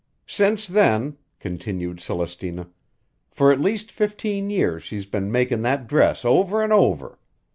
"Since then," continued Celestina, "for at least fifteen years she's been makin' that dress over an' over.